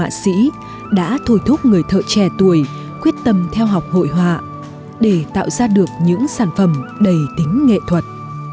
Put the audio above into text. và các họa sĩ đã thổi thúc người thợ trẻ tuổi quyết tâm theo học hội họa để tạo ra được những sản phẩm đầy tính nghệ thuật